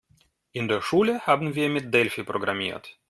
In der Schule haben wir mit Delphi programmiert.